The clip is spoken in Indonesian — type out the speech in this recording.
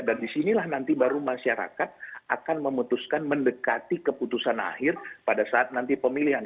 dan disinilah nanti baru masyarakat akan memutuskan mendekati keputusan akhir pada saat nanti pemilihan